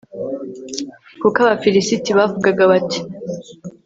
kuko abafilisiti bavugaga bati